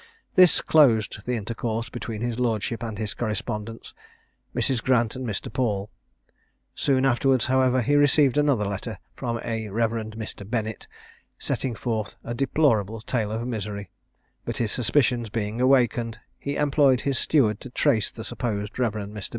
This closed the intercourse between his lordship and his correspondents, Mrs. Grant and Mr. Paul. Soon afterwards, however, he received another letter from a Rev. Mr. Bennett, setting forth a deplorable tale of misery; but his suspicions being awakened, he employed his steward to trace the supposed Rev. Mr.